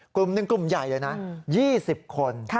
กลุ่มหนึ่งกลุ่มใหญ่เลยนะ๒๐คน